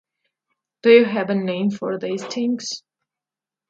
Do you have a name for these things?